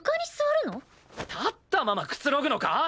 立ったままくつろぐのか！？